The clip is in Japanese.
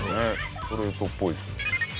ストレートっぽいですね。